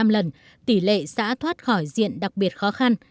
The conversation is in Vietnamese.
một mươi lần tỷ lệ xã thoát khỏi diện đặc biệt khó khăn